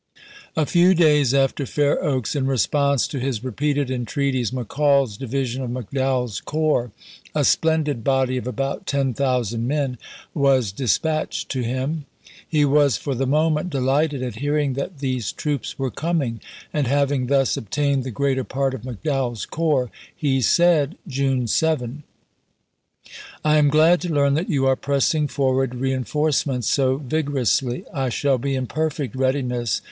A few days after Fair Oaks, in response to his repeated entreaties, McCall's di vision of McDowell's corps, a splendid body of about ten thousand men, was dispatched to him. He was for the moment delighted at hearing that these troops were coming; and having thus ob tained the gi'eater part of McDowell's corps, he 1862. said, June 7: I am glad to learn that yon are pressing forward reen foreements so ^dgorously. I shall he in perfect readiness w.